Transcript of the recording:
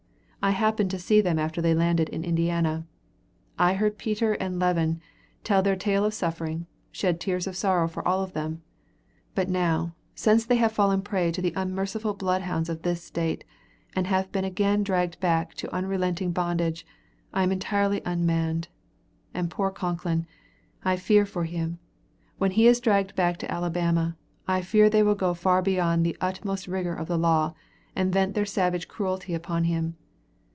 I happened to see them after they landed in Indiana. I heard Peter and Levin tell their tale of suffering, shed tears of sorrow for them all; but now, since they have fallen a prey to the unmerciful blood hounds of this state, and have again been dragged back to unrelenting bondage, I am entirely unmanned. And poor Concklin! I fear for him. When he is dragged back to Alabama, I fear they will go far beyond the utmost rigor of the law, and vent their savage cruelty upon him.